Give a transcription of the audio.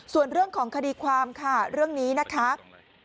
ส่วนเรื่องของคดีความค่ะเรื่องนี้นะครับ